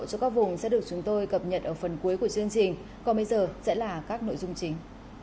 cho các vùng sẽ được chúng tôi cập nhật ở phần cuối của chương trình còn bây giờ sẽ là các nội dung chính